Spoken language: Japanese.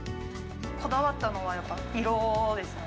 こだわったのはやっぱり色ですね。